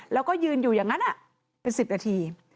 แล้วก็ยืนอยู่อย่างนั้นเป็น๑๐นาที